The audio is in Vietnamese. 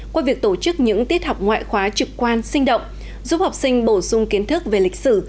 qua việc tổ chức những tiết học ngoại khóa trực quan sinh động giúp học sinh bổ sung kiến thức về lịch sử